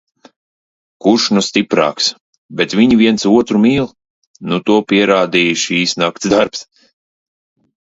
Kurš nu stiprāks, bet viņi viens otru mīl. Nu to pierādīja šis nakts darbs.